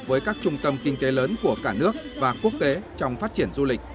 với các trung tâm kinh tế lớn của cả nước và quốc tế trong phát triển du lịch